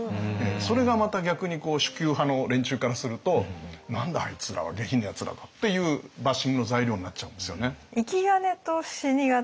それがまた逆に守旧派の連中からすると「何だあいつらは下品なやつらだ」っていうバッシングの材料になっちゃうんですよね。